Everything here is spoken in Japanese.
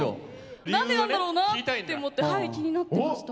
何でなんだろうなって気になってました。